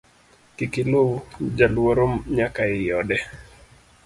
Kik iluw jaluoro nyaka ei ode